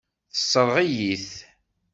Tessṛeɣ-iyi-t.